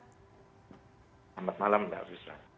selamat malam mbak aziza